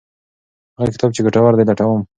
هغه کتاب چې ګټور دی لټوم.